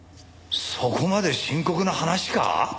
そこまで深刻な話か？